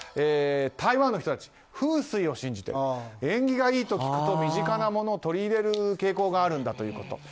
台湾の人たち、風水を信じて縁起がいいと聞くと身近なものを取り入れる傾向があるんだということ。